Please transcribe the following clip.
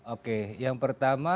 oke yang pertama